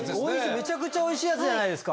めちゃくちゃおいしいやつじゃないですか。